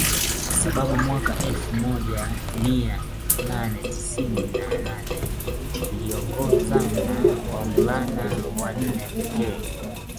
saba mwaka elfu moja mia nane tisini na nane aliongozana na wavulana wanne pekee